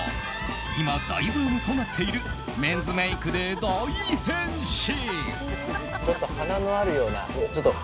今、大ブームとなっているメンズメイクで大変身。